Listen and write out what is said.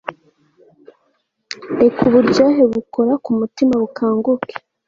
Reka uburyohe bukora ku mutima bukanguke